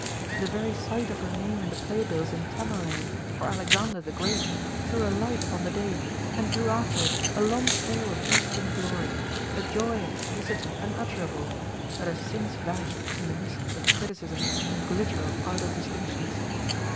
The very sight of her name in the play bills in Tamerlane, or Alexander the Great, threw a light upon the day, and drew after it a long trail of Eastern glory, a joy and felicity unutterable, that has since vanished in the mists of criticism and glitter of idle distinctions.